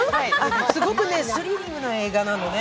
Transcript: すごくね、スリリングな映画なのね。